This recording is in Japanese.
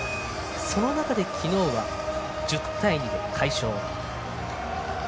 その中で、昨日は１０対２で快勝。